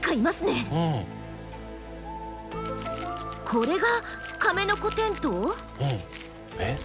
これがカメノコテントウ？えっ？